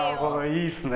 いいですね。